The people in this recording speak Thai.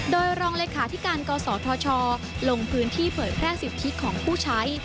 โดยรองเลขาธิการกศธชลงพื้นที่เผยแพร่สิทธิของผู้ใช้